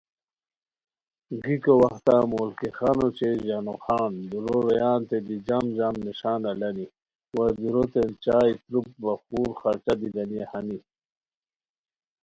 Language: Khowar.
گیکو وختہ ملکی خان اوچے ژانو خان دُورو رویانتین دی جم جم نݰان الانی، وا دُوروتین چائے تروپ، وا خور خرچہ دی گنی ہانی